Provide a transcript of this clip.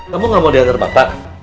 kamu gak mau diantar bapak